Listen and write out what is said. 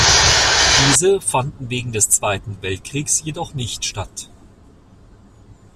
Diese fanden wegen des Zweiten Weltkriegs jedoch nicht statt.